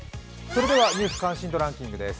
それでは「ニュース関心度ランキング」です。